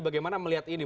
bagaimana melihat ini